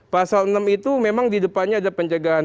pasal enam itu memang di depannya ada pencegahan